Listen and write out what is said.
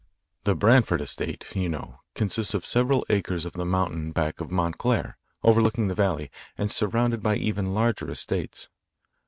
"The Branford estate, you know, consists of several acres on the mountain back of Montclair, overlooking the valley, and surrounded by even larger estates.